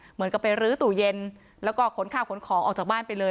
เหมือนกับไปรื้อตู้เย็นแล้วก็ขนข้าวขนของออกจากบ้านไปเลย